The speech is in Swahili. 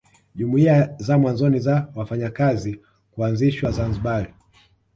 Jumuiya za mwanzo za wafanyakazi kuanzishwa Zanzibar